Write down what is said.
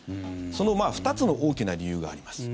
その２つの大きな理由があります。